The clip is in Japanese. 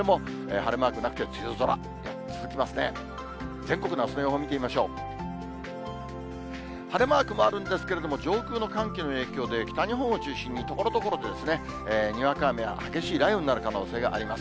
晴れマークもあるんですけれども、上空の寒気の影響で、北日本を中心にところどころで、にわか雨や激しい雷雨になる可能性があります。